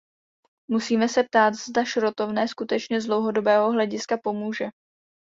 Musíme se ptát, zda šrotovné skutečně z dlouhodobého hlediska pomůže.